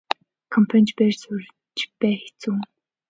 Компани ч бай сургууль ч бай хэцүү.